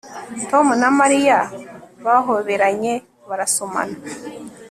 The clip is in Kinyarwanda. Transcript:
Tom na Mariya bahoberanye barasomana